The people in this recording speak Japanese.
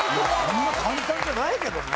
そんな簡単じゃないけどね。